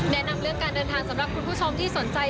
แนะนำเรื่องการเดินทางสำหรับคุณผู้ชมที่สนใจ